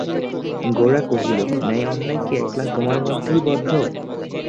গোরা কহিল, ন্যায় অন্যায় কি একলা তোমার মধ্যেই বদ্ধ?